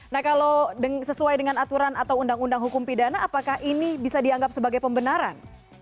nah kalau sesuai dengan aturan atau undang undang hukum pidana apakah ini bisa dianggap sebagai pembenaran